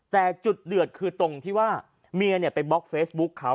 แต่จุดเดือดคือตรงที่ว่าเมียไปบล็อกเฟซบุ๊คเขา